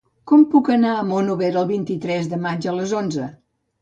Com puc anar a Monòver el vint-i-tres de maig a les onze?